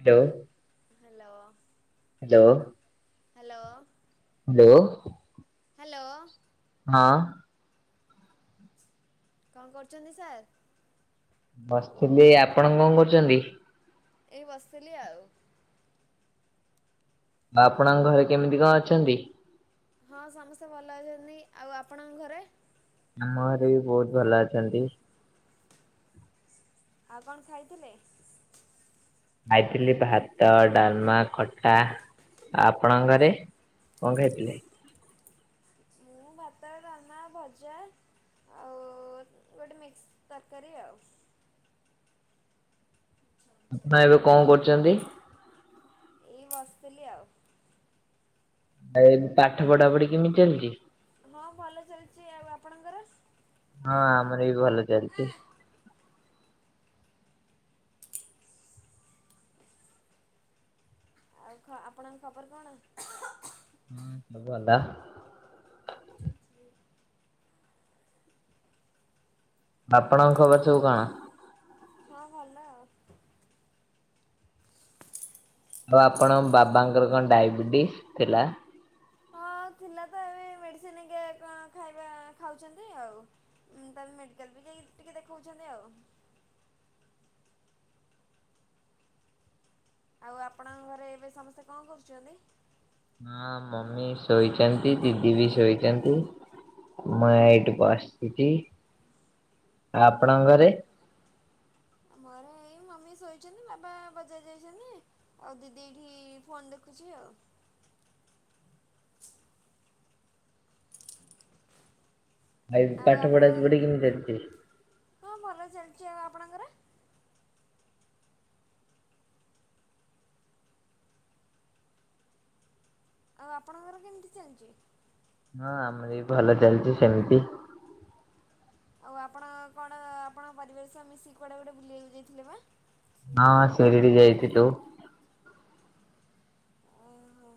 Hello. Hello. Hello. Hello. Hello. Hello. ହଁ। କଣ କରୁଛନ୍ତି ସାର୍? ବସିଥିଲି। ଆପଣ କଣ କରୁଚନ୍ତି? ଏଇ ବସିଥିଲି ଆଉ। ଆଉ ଆପଣଙ୍କ ଘରେ କେମିତି କଣ ଅଛନ୍ତି? ହଁ ସମସ୍ତେ ଭଲ ଅଛନ୍ତି। ଆଉ ଆପଣଙ୍କ ଘରେ? ଆମ ଘରେ ବି ବହୁତ ଭଲ ଅଛନ୍ତି। ଆଉ କଣ ଖାଇଥିଲେ? ଖାଇଥିଲି ଭାତ, ଡାଲମା, ଖଟା। ଆପଣଙ୍କ ଘରେ କଣ ଖାଇଥିଲେ? ମୁଁ ଭାତ, ଡାଲମା, ଭଜା ଆଉ ଗୋଟେ ମିକ୍ସ ତରକାରୀ ଆଉ। ଆପଣ ଏବେ କଣ କରୁଚନ୍ତି? ଏଇ ବସିଥିଲି ଆଉ। ଏଇ ପାଠ ପଢାପଢି କେମିତି ଚାଲିଚି? ହଁ ଭଲ ଚାଲିଚି। ଆଉ ଆପଣଙ୍କର? ହଁ ଆମର ବି ଭଲ ଚାଲଚି। ଆଉ ଖ ଆପଣଙ୍କ ଖବର କଣ? ହଁ ସବୁ ଭଲ। ଆପଣଙ୍କ ଖବର ସବୁ କଣ? ହଁ ଭଲ ଆଉ। ଆଉ ଆପଣଙ୍କ ବାବାଙ୍କର କଣ ଡାଇବେଟିସ୍ ଥିଲା? ହଁ ଥିଲା ତ, ଏବେ ଏଇ ମେଡିସିନ ହେଇକା କଣ ଖାଇବା ଖାଉଛନ୍ତି ଆଉ। ଉମ୍ ତାପରେ ମେଡିକାଲ ବି ଯାଇକି ଟିକେ ଦେଖଉଛନ୍ତି ଆଉ। ଆଉ ଆପଣଙ୍କ ଘରେ ଏବେ ସମସ୍ତେ କଣ କରୁଛନ୍ତି? ହଁ ମମି ଶୋଇଚନ୍ତି, ଦିଦି ବି ଶୋଇଚନ୍ତି। ମୁଁ ଏଇଠି ବସିଚି। ଆଉ ଆପଣଙ୍କ ଘରେ? ଆମ ଘରେ ଏଇ ମମି ଶୋଇଛନ୍ତି, ବାବା ବଜାର ଯାଇଛନ୍ତି ଆଉ ଦିଦି ଏଇଠି ଫୋନ ଦେଖୁଛି ଆଉ। ଭାଇ ଆଉ ପାଠ ଆପଣ ପଢାପଢ଼ି କେମିତି ଚାଲିଛି? ହଁ ଭଲ ଚାଲଚି। ଆଉ ଆପଣଙ୍କର? ଆଉ ଆପଣଙ୍କର କେମିତି ଚାଲିଚି? ହଁ ଆମର ଏ ବି ଭଲ ଚାଲିଚି, ସେମତି। ଆଉ ଆପଣଙ୍କ କଣ ଆପଣଙ୍କ ପରିବାର ସହ ମିଶିକି କୁଆଡ଼େ ଗୋଟେ ବୁଲିବାକୁ ଯାଇଥିଲେ ବା? ହଁ ଶିରିଡି ଯାଇଥିଲୁ ଓହୋ।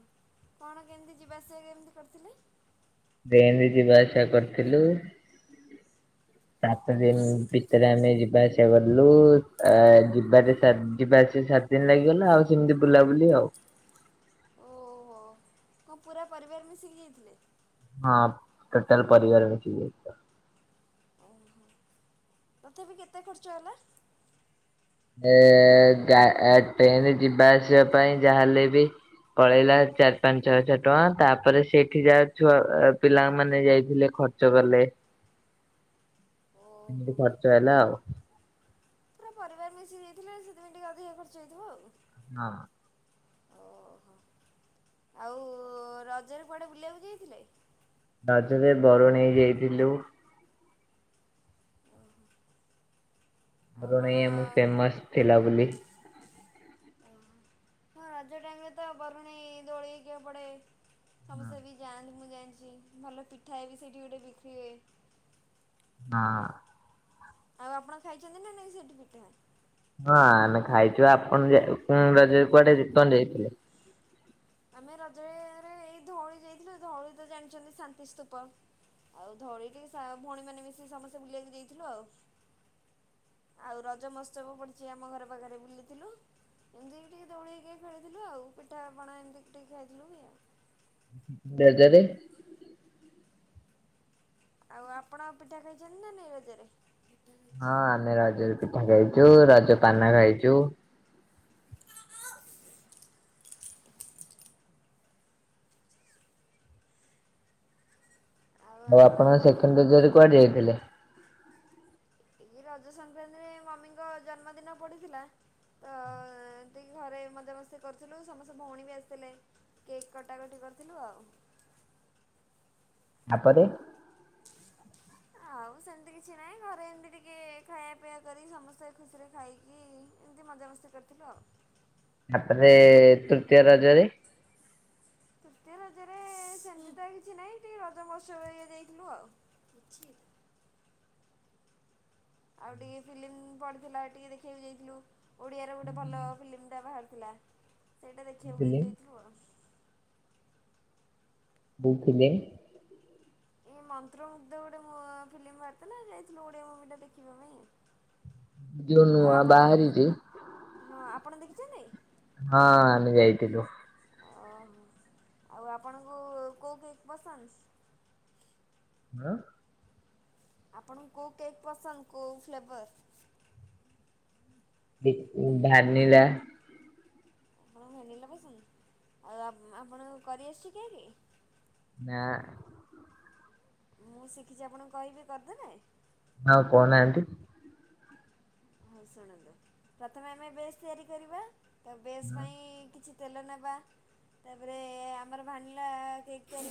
କଣ କେନ୍ତି ଯିବା ଆସିବା କେମତି କରିଥିଲେ? ଟ୍ରେନରେ ଯିବା ଆସିବା କରିଥିଲୁ ସାତ ଦିନ ଭିତରେ ଆମେ ଯିବା ଆସିବା ଗଲୁ, ଆ ଯିବାରେ ଚାର ଯିବା ଆସିବା ସାତ ଦିନ ଲାଗିଗଲା, ଆଉ ସେମତି ବୁଲାବୁଲି ଆଉ। ଓହୋ। ହଁ ପୁରା ପରିବାର ମିଶିକି ଯାଇଥିଲେ? ହଁ ଟୋଟାଲ ପରିବାର ମିଶିକି ଯାଇଥିଲୁ। ଓହୋ। ତଥାପି କେତେ ଖର୍ଚ୍ଚ ହେଲା? ଏ ଗା ଟ୍ରେନରେ ଯିବା ଆସିବା ପାଇଁ ଯାହାହେଲେ ବି ପଳେଇଲା ଚାରି ପାଞ୍ଚ ହଜାର ଟଙ୍କା ତାପରେ ସେଇଠି ଯା ଛୁଆ ପିଲା ମାନେ ଯାଇଥିଲେ ଖଚ୍ଚ ଖର୍ଚ୍ଚ କଲେ ଏମିତି ଓହୋ। ଖର୍ଚ୍ଚ ହେଲା ଆଉ। ପୁରା ପରିବାର ମିଶି ଦେଇଥିଲେ ସେଥିପାଇଁ ଟିକେ ଅଧିକା ଖର୍ଚ୍ଚ ହେଇଥିବ ଆଉ। ହଁ। ଓହୋ ଆଉ ରଜରେ କୁଆଡ଼େ ବୁଲିବାକୁ ଯାଇଥିଲେ। ରାଜରେ ବରୁଣେଇ ଯାଇଥିଲୁ। ଆଉ କଣ ବରୁଣେଇ ଆମ ଫେମସ ଥିଲା ବୋଲି ଓ ହଁ ରଜ ଟାଇମ ରେ ତ ବରୁଣୀ ଦୋଳି କେ ପଡ଼େ ସମସ୍ତେ ବି ଯାଆନ୍ତି ମୁଁ ଜାଣିଛି ଭଲ ପିଠାଏ ବି ସେଇଠି ଗୋଟେ ବିକ୍ରି ହୁଏ। ହଁ। ଆଉ ଆପଣ ଖାଇଛନ୍ତି ନା ନାଇଁ ସେଠି ପିଠା? ହଁ ଆମେ ଖାଇଛୁ ଆପଣ ରଜ କୁଆଡେ କଣ ଯାଇଥିଲେ। ଆମେ ରଜରେ ଏଇ ଧଉଳି ଯାଇଥିଲୁ ଧଉଳି ତ ଜାଣିଛନ୍ତି ଶାନ୍ତିସ୍ତୂପ। ଆଉ ଧଳିଟି ଭଉଣୀ ମାନେ ମିଶିକି ସମସ୍ତେ ବୁଲିବାକୁ ଯାଇଥିଲୁ ଆଉ। ଆଉ ରଜ ମହୋତ୍ସବ ପଡିଛି ଆମ ଘର ପାଖରେ ବୁଲିଥିଲୁ। ଏମିତି ବି ଟିକେ ଦୌଉଳି ଖେଳିଥିଲୁ ଆଉ ପିଠାପଣା ଏମତି ଟିକେ ଖାଇଥିଲୁ କି ଆଉ ଜାଜାରେ। ଆଉ ଆପଣ ପିଠା ଖାଇଛନ୍ତି ନା ନାଇଁ ରଜରେ? ହଁ ଆମେ ରଜରେ ପିଠା ଖାଇଛୁ ରଜ ପାନ ଖାଇଛୁ। [inaudible] ଆଉ ଆପଣଙ୍କ ଆପଣ ଘରେ? ସେକଣ୍ଡ ରଜ ରେ କୁଆଡେ ଯାଇଥିଲେ? ଏ ରଜ ସଂକ୍ରାନ୍ତିରେ ମମିଙ୍କ ଜନ୍ମଦିନ ପଡ଼ିଥିଲା। ତ ଟିକେ ଘରେ ମଜାମସ୍ତି କରୁଥିଲୁ ସମସ୍ତେ ଭଉଣୀ ବି ଆସିଥିଲେ। କେକ୍ କଟାକଟି କରିଥିଲୁ ଆଉ। ଆପରେ ଆଉ ସେମିତି କିଛି ନାହିଁ ଘରେ ଏମିତି ଟିକେ ଖାଇବା ପିଇବା କରି ସମସ୍ତେ ଖୁସିରେ ଖାଇକି ଏମିତି ମଜାମସ୍ତି କରିଥିଲୁ ଆଉ। ତାପରେ ତୃତୀୟ ରଜରେ। ତୃତୀୟ ରଜରେ ସେମିତି କିଛି ନାହିଁ ଟିକେ ରଜମହୋତ୍ସବ ହେରିକା ଯାଇଥିଲୁ ଆଉ। ଆଉ ଟିକେ ଫିଲ୍ମ ପଡ଼ିଥିଲା ଟିକେ ଦେଖିବାକୁ ଯାଇଥିଲୁ ଓଡ଼ିଆରେ ଗୋଟେ ଭଲ ଫିଲ୍ମଟା ବାହାରି ହେଲା ସେଇଟା ଦେଖିବାକୁ ଥିଲି ଯାଇଥିଲୁ ଆଉ। ବଉକୁ ଦେ। ଏଇ ମନ୍ତ୍ର ମୁଗ୍ଧ ଗୋଟେ ଫିଲ୍ମ ବାହାରିଥିଲା ଯାଇଥିଲୁ ଓଡ଼ିଆ ମୁଭି ଟା ଦେଖିବା ପାଇଁ। ଯୋଉ ଆଉ ନୂଆ ଆପଣ, ବାହାରିଛି ହଁ ଆପଣ ଦେଖିଛନ୍ତି? ହଁ ଆମେ ଯାଇଥିଲୁ। ଓହୋ ଆଉ ଆପଣଙ୍କୁ କୋଉ କେକ୍ ପସନ୍ଦ? ହଁ। ଆପଣଙ୍କୁ କୋଉ କେକ୍ ପସନ୍ଦ କୋଉ ଫ୍ଲେବର? ଭାନିଲା। ଆପଣଙ୍କୁ ଭାନିଲା ପସନ୍ଦ ଆଉ ଆପଣଙ୍କୁ କରିଆସୁଛି କେକ? ନା। ମୁଁ ଶିଖିଛି ଆପଣଙ୍କୁ କହିବି କରିଦେବେ। ଆଉ କହୁନାହାନ୍ତି। ହଉ ଶୁଣନ୍ତୁ ପ୍ରଥମେ ଆମେ ବେଶ ତିଆରି କରିବା ତ ବେଶ ପାଇଁ କିଛି ତେଲ ନେବା ତାପରେ ଆମର ଭାନିଲା କେକ୍ ଟା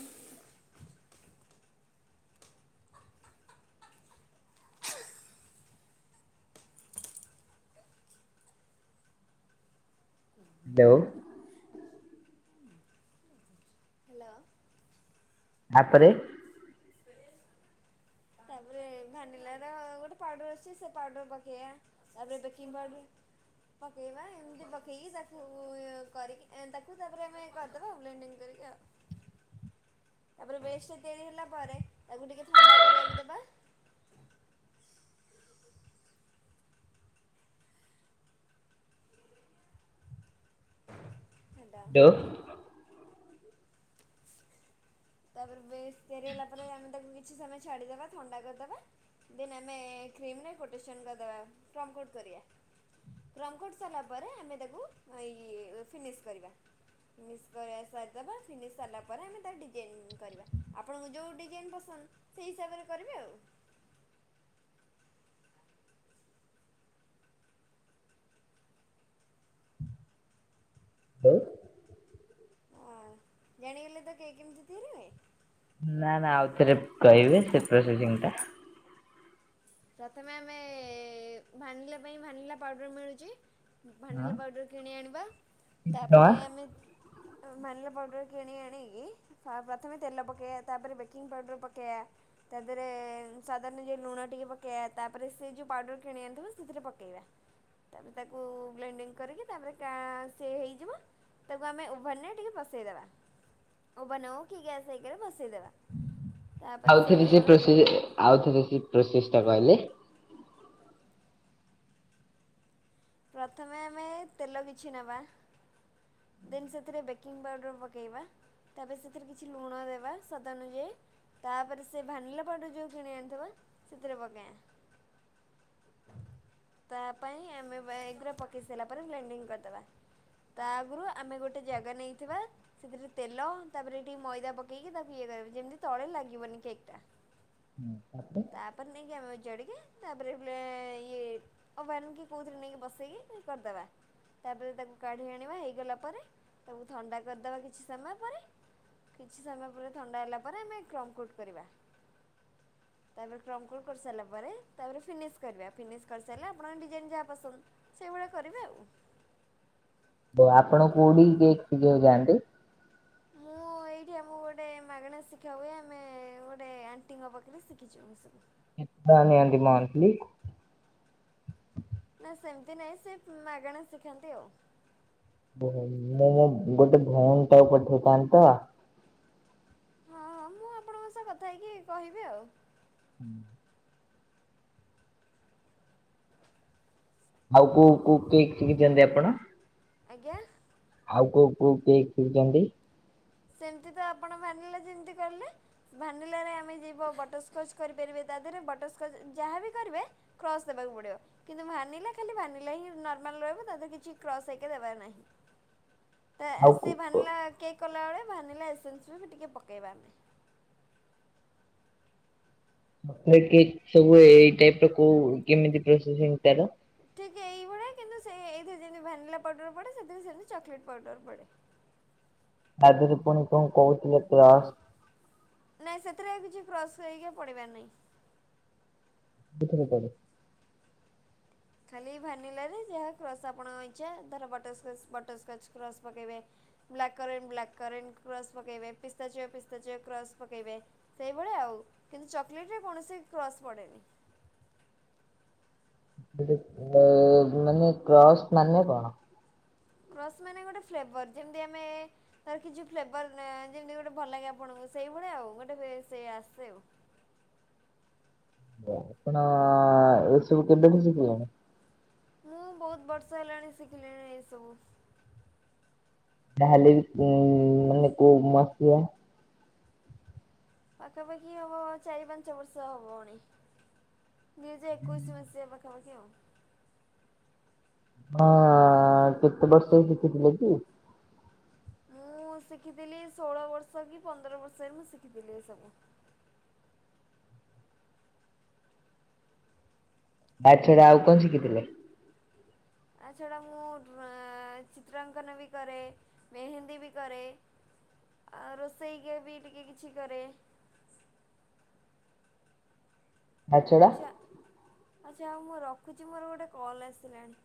[unintelligible] ହ୍ୟାଲୋ। ତାପରେ ତାପରେ ଭାନିଲାର ଗୋଟେ ପାଉଡ଼ର ଆସୁଛି ସେ ପାଉଡ଼ର ପକେଇବା। ତାପରେ ବେକିଂ ପାଉଡର। ପକେଇବା ଏମିତି ପକେଇକି ତାକୁ କରିକି ଏଁ ତାକୁ ତାପରେ ଆମେ କରିଦେବା ବ୍ଲେଣ୍ଡିଙ୍ଗ କରିକି ଆଉ। [inaudible] ତାପରେ ବେଶଟା ତିଆରି ହେଲା ପରେ ତାକୁ ଟିକେ ଥଣ୍ଡା କରିବାକୁ ଦେବା। ହେଣ୍ଡା। ଦଉ ତାପରେ ବେଶ ତିଆରି ହେଲା ପରେ ଆମେ ତାକୁ କିଛି ସମୟ ଛାଡିଦବା ଥଣ୍ଡା କରିଦବା। ଦେନ ଆମେ କ୍ରିମ ନାହିଁ କୋଟେସନ୍ କରିଦେବା ଫ୍ରମ କୋଟ କରିବା। ଫ୍ରମକୋଟ ସାରିଲା ପରେ ଆମେ ତାକୁ ଇ ଫିନିଶ କରିବା। ଫିନିଶ କରିବା ସାରିଦେବା ଫିନିଶ ସରିଲା ପରେ ଆମେ ତାଡି ଡିଜାଇନ କରିବା ଆପଣଙ୍କୁ ଯେଉଁ ଡିଜାଇନ୍ ପସନ୍ଦ ସେହି ହିସାବରେ କରିବେ ଆଉ। ହଁ। ହଁ ଜାଣିଗଲେ ତ କେକ କେମିତି ତିଆରି ହୁଏ। ନା ନା ଆଉ ଥରେ କହିବେ ସେ ପ୍ରୋସେସିଂ ଟା। ପ୍ରଥମେ ଆମେ ଭାନିଲା ପାଇଁ ଭାନିଲା ପାଉଡର ମିଳୁଛି। ହଁ ଭାନିଲା ପାଉଡ଼ର କିଣି ଆଣିବା କେତେ ଟଙ୍କା? ତାପରେ ଆମେ ଭାନିଲା ପାଉଡ଼ର କିଣି ଆଣିକି ପ ପ୍ରଥମେ ତେଲ ପକେଇବା, ତାପରେ ବେକିଂ ପାଉଡ଼ର ପକେଇବା। ତା ଦେହରେ ସ୍ୱାଦ ଅନୁଯାୟୀ ଲୁଣ ଟିକେ ପକେ ତାପରେ ସେ ଯୋଉ ପାଉଡ଼ର କିଣି ଆଣିଥିବ ସେଥିରେ ପକେଇବା। ତାପରେ ତାକୁ ବ୍ଲେଣ୍ଡିଙ୍ଗ କରିକି ତାପରେ କା ସେ ହେଇଯିବ। ତାକୁ ଆମେ ଓଭାନରେ ଟିକେ ବସେଇଦେବା। ଓଭାନ ହୋଉ କିି ଗ୍ୟାସ୍ ଆଇକାରେ ବସେଇଦେବା। ତାପରେ ଆଉଥରେ ସେ ହେଇଗଲା ପ୍ରୋସେସ ଆଉଥରେ ସେ ପ୍ରୋସେସ ଟା କହିଲେ। ପ୍ରଥମେ ଆମେ ତେଲ କିଛି ନେବା। ଦେନ୍ ସେଥିରେ ବେକିଂ ପାଉଡ଼ର ପକେଇବା ତାପରେ ସେଥିରେ କିଛି ଲୁଣ ଦେବା ସ୍ୱାଦାନୁଯାୟୀ। ତାପରେ ସେ ଭାନିଲା ପାଉଡ଼ର ଯେଉଁ କିଣି ଆଣିଥିବ ସେଥିରେ ପକେଇବ। ହ ତା ପାଇଁ ଆମେ ଏଗ୍ର ପକାଇ ସାରିଲା ପରେ ଲ୍ୟାଣ୍ଡିଙ୍ଗ କରିଦେବା। ତା ଆଗୁରୁ ଆମେ ଗୋଟେ ଜାଗା ନେଇଥିବା। ସେଥିରେ ତେଲ ତାପରେ ଟିକେ ମଇଦା ପକେଇକି ତାକୁ ଇଏ କରିବେ ଯେମିତି ତଳେ ଲାଗିବନି କେକ୍ ଟା। ହୁଁ ତାପରେ ନେଇକି ଆମେ ଜଡିକେ ତାପରେ ବ୍ଲେ ଇଏ ଓଭାନ୍ କି କୋଉଥିରେ ନେଇକି ବସେଇକି କରିଦବା। ତାପରେ ତାକୁ କାଢି ଆଣିବା ହେ ଗଲା ପରେ ତାକୁ ଥଣ୍ଡା କରିଦବା କିଛି ସମୟପରେ। କିଛି ସମୟ ପରେ ଥଣ୍ଡା ହେଲା ପରେ ଆମେ କ୍ରମ୍ କୋଟ କରିବା। [inaudible] ତାପରେ କ୍ରମ କୋଟ କରିସାରିଲା ପରେ ତାପରେ ଫିନିଶ କରିବା। ଫିନିଶ କରିସାରିଲେ ଆପଣଙ୍କ ଡିଜାଇନ ଯାହା ପସନ୍ଦ ସେଇଭଳିଆ କରିବେ ଆଉ। ଉ ଆପଣ କୋଉଠି କେକ ଶିଖା ଜାଣିଲେ? ଠୀ ଆମକୁ ଗୋଟେ ମାଗଣା ଶିଖା ହୁଏ ଆମେ ଗୋଟେ ଆଣ୍ଟିଙ୍କ ପାଖରେ ଶିଖିଛୁ ସବୁ। [unintelligible] ନିଅନ୍ତି ମନ୍ଥଲି? ନା ସେମିତି ନାହିଁ ସେ ମାଗଣା ଶିଖାନ୍ତି ଆଉ। ଉ ମୁଁ ମୋ ଗୋଟେ ଭଉଣୀ ଟାକୁ ପଠେଇଥାନ୍ତି ତ। ହଁ ହଁ ମୁଁ ଆପଣଙ୍କ ସହ କଥା ହେଇକି କହିବି ଆଉ। ହୁଁ। ଆଉ କୋଉ କୋଉ କି କେକ ସିଖିଚନ୍ତି ଆପଣ? ଆଜ୍ଞା? ଆଉ କୋଉ କୋଉ କିଏ ଶିଖିଚନ୍ତି? ସେମିତି ତ ଆପଣ ଭାନିଲା ଯେମିତି କଲେ ଭାନିଲାରେ ଆମେ ଯିବ ବଟରସ୍କଚ୍ କରିପାରିବେ ତା ଦେହରେ ବଟରସ୍କଚ୍ ଯାହା ବିି କରିବେ କ୍ରସ୍ ଦେବାକୁ ପଡିବ। କିନ୍ତୁ ଭାନିଲା ଖାଲି ଭାନିଲା ହିଁ ନର୍ମାଲ ରହିବ ତାରେ କିଛି କ୍ରସ୍ ହେଇକି ଦେବାର ନାହିଁ। ତ ଆଉ କୋ ସେ ଭାନିଲା କେକ୍ କଲାବେଳେ ଭାନିଲା ଏସେନ୍ସରେ ବି ଟିକେ ପକେଇବା। [unintelligible] ସବୁ ଏଇ ଟାଇପ ର କୋଉ କେମିତି ପ୍ରୋସେଶିଂ ଟା ଠିକ୍ ଏଇଭଳିଆ କିନ୍ତୁ ସେ ଏଇଥିରେ ଯେମତି ଭ୍ୟାନିଲା ପାଉଡ଼ର ପଡ଼େ ସେଥିରେ ସେମିତି ଚକୋଲେଟ୍ ପାଉଡ଼ର ପଡ଼େ। ତା ଦେହରେ ପୁଣି କଣ କହୁଥିଲେ ପିଆ ନାଇଁ ସେଥିରେ ଆଉ କିଛି କ୍ରସ କରିକି ପଡିବାର ନାହିଁ। ଭିତରେ ପ ଖାଲି ଭାନିଲାରେ ଯାହା କ୍ରସ୍ ଆପଣଙ୍କ ଇଛା ଧର ବଟରସ୍କଚ ବଟରସ୍କଚ୍ କ୍ରସ୍ ପକେଇବେ। ବ୍ଲାକ୍ କରେ ବ୍ଲାକ୍ କରେ କ୍ରସ୍ ପକେଇବେ ପିସ୍ତାଚୟ ପିସ୍ତାଚୟ କ୍ରସ୍ ପକେଇବେ। ସେଇଭଳିଆ ଆଉ କିନ୍ତୁ ଚକୋଲେଟରେ କୌଣସି କ୍ରସ୍ ପଡ଼େନି। ଏଠି ଅ ମାନେ କ୍ରସ୍ ମାନେ କଣ? କ୍ରସ୍ ମାନେ ଗୋଟେ ଫ୍ଲେଭର ଯେମିତି ଆମେ ତାର କିଛି ଫ୍ଲେଭର ନାଏ ଯେମିତି ଗୋଟେ ଭଲ ଲାଗେ ଆପଣଙ୍କୁ ସେଇଭଳିଆ ଆଉ ଗୋଟେ ସେ ଆସେ ଆଉ। [unintelligible] ମୁଁ ବହୁତ ବର୍ଷ ହେଲାଣି ଶିଖିଲିଣି ଏଇସବୁ। ତାହେଲେ ବି ଉଁ ମାନେ କୋଉ ମସିହା? ପାଖାପାଖି ହବ ଚାରି ପାଞ୍ଚ ବର୍ଷ ହବଣି। ଦୁଇ ହଜାର ଏକୋଇ ମସିହା ପାଖାପାଖି। ଆ କେତେ ବର୍ଷ ହେଇଚି [unintelligible] ମୁଁ ଶିଖିଥିଲି ଷୋଳ ବର୍ଷ କି ପନ୍ଦର ବର୍ଷରେ ମୁଁ ଶିଖିଥିଲି ଏ ସବୁ। ତା ଛଡା ଆଉ ଙ୍କ ଶିଖିଥିଲେ? ତା ଛଡ଼ା ମୁଁ ଡ୍ର ଚିତ୍ରାଙ୍କନ ବି କରେ ମେହେନ୍ଦୀ ବି କରେ। ଆଉ ରୋଷେଇଗୀ ବି ଟିକେକିଛି କରେ। ତା ଛଡା ଆଛା ଆଛା ଆଉ ମୁଁ ରଖୁଛି ମୋର ଗୋଟେ କଲ୍ ଆସିଲାଣି।